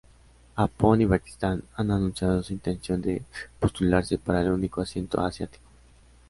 Japón y Pakistán han anunciado su intención de postularse para el único asiento asiático.